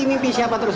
mimpi siapa terus